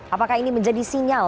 apakah ini menjadi sinyal